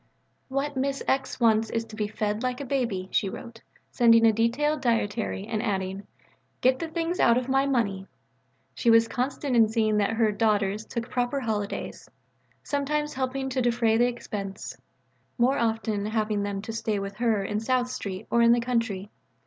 "What Miss X. wants is to be fed like a baby," she wrote, sending a detailed dietary and adding, "Get the things out of my money." She was constant in seeing that her "daughters" took proper holidays; sometimes helping to defray the expense, more often having them to stay with her in South Street or in the country.